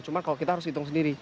cuma kalau kita harus hitung sendiri